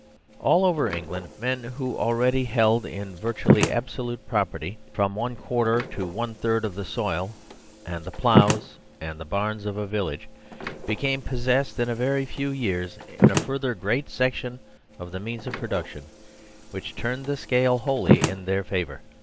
All over England men who already held in virtually absolute property from one quarter to one third of the soil and the ploughs and the barns of a village, became possessed in a very few years of a further great section of the means of production, which turned the scale wholly in their favour.